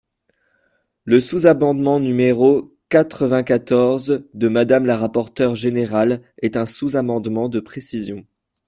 Le sous-amendement numéro quatre-vingt-quatorze de Madame la rapporteure générale est un sous-amendement de précision.